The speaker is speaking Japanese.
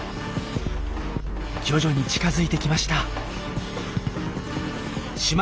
徐々に近づいてきました。